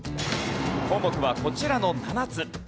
項目はこちらの７つ。